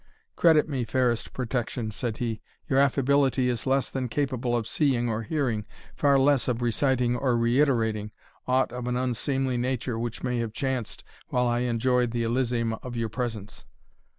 "Credit me, fairest Protection," said he, "your Affability is less than capable of seeing or hearing, far less of reciting or reiterating, aught of an unseemly nature which may have chanced while I enjoyed the Elysium of your presence.